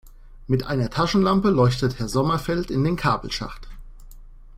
Mit einer Taschenlampe leuchtet Herr Sommerfeld in den Kabelschacht.